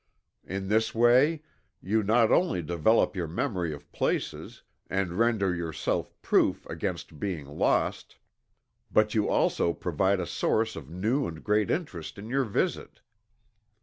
In this way you not only develop your memory of places, and render yourself proof against being lost, but you also provide a source of new and great interest in your visit.